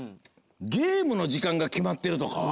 「ゲームのじかんがきまってる」とかは？